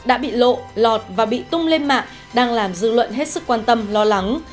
đã bị lộ lọt và bị tung lên mạng đang làm dư luận hết sức quan tâm lo lắng